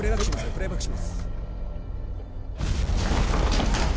プレーバックします。